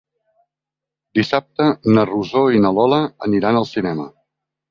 Dissabte na Rosó i na Lola aniran al cinema.